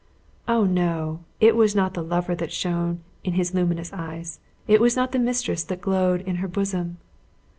Oh, no; it was not the lover that shone in his luminous eyes; it was not the mistress that glowed in her bosom.